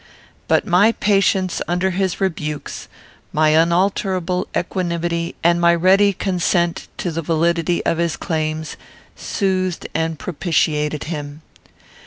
But my patience under his rebukes, my unalterable equanimity, and my ready consent to the validity of his claims, soothed and propitiated him.